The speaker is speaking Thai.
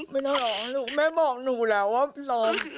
ไม่ต้องรอลูกแม่บอกหนูแล้วว่าพร้อม